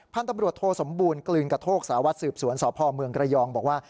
พันธุ์ตำรวจโทสมบูรณกลืนกระโทกสารวัตรสืบสวนสพเมืองระยองบอกว่า